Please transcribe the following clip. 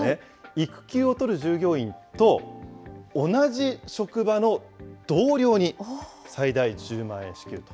育休を取る従業員と同じ職場の同僚に最大１０万円支給と。